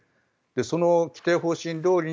その既定方針どおりに